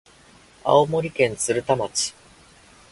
青森県鶴田町